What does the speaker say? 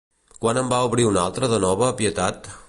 Quan en va obrir una altra de nova Pietat?